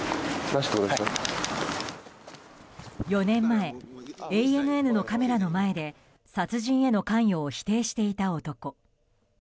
４年前、ＡＮＮのカメラの前で殺人への関与を否定していた男。